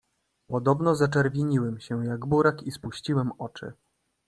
"Podobno zaczerwieniłem się, jak burak i spuściłem oczy."